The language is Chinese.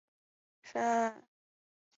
第一代恒久王是能久亲王的第一子。